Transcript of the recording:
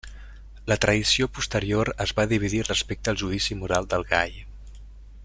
La tradició posterior es va dividir respecte al judici moral del gall.